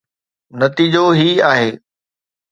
نتيجو هي آهي